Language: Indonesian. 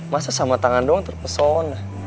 masa sama tangan doang terpesona